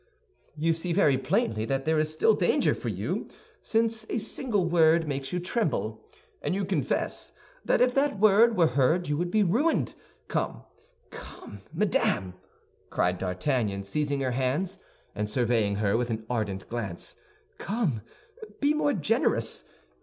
"You see very plainly that there is still danger for you, since a single word makes you tremble; and you confess that if that word were heard you would be ruined. Come, come, madame!" cried D'Artagnan, seizing her hands, and surveying her with an ardent glance, "come, be more generous.